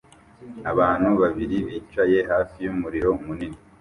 Abantu babiri bicaye hafi y'umuriro munini